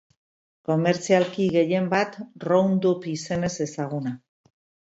Komertzialki gehien bat Roundup izenez ezaguna.